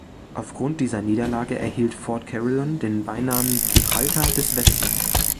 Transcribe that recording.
Aufgrund dieser Niederlage erhielt Fort Carillon den Beinamen „Gibraltar des Westens“.